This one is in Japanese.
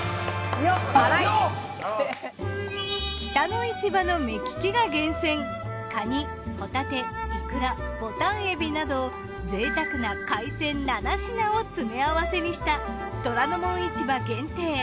北の市場の目利きが厳選カニホタテいくらぼたん海老などぜいたくな海鮮７品を詰め合わせにした『虎ノ門市場』限定